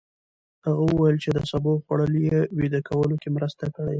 هغه وویل چې د سبو خوړل يې ویده کولو کې مرسته کړې.